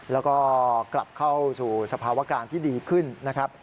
แล้วก็กลับเข้าสู่สภาวะการที่ดีขึ้นนะครับ